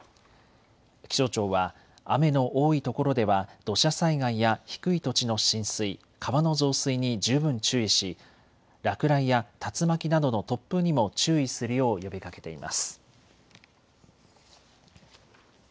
気象庁は雨の多いところでは土砂災害や低い土地の浸水、川の増水に十分注意し落雷や竜巻などの突風にも注意するよう呼びかけています。